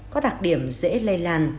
có đặc điểm dễ lây lan